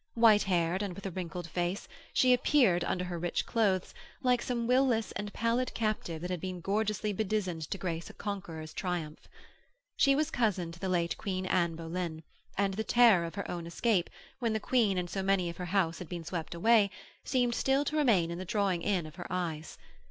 White haired and with a wrinkled face, she appeared, under her rich clothes, like some will less and pallid captive that had been gorgeously bedizened to grace a conqueror's triumph. She was cousin to the late Queen Anne Boleyn, and the terror of her own escape, when the Queen and so many of her house had been swept away, seemed still to remain in the drawing in of her eyes.